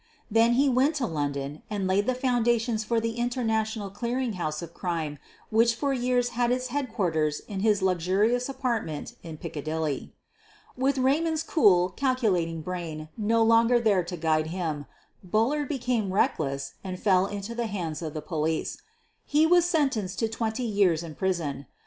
Then he went to London and laid the foundations for the international clearing house of crime which for years had its headquarters in his luxurious apartment in Piccadilly. With Raymond's cool, calculating brain no longer there to guide him, Bullard became reckless and fell into the hands of the police. He was sentenced to, twenty years in prison.